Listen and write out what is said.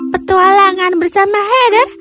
petualangan bersama heather